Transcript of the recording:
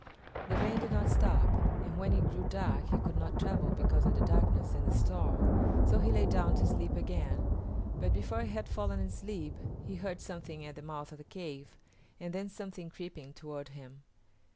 The rain did not stop, and when it grew dark he could not travel because of the darkness and the storm, so he lay down to sleep again; but before he had fallen asleep he heard something at the mouth of the cave, and then something creeping toward him.